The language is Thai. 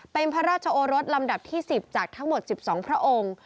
เป็นพระราชโอรสลำดับที่๑๐จากทั้งหมด๑๒พระองค์